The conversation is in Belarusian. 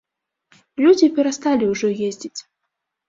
Людзі перасталі ўжо ездзіць.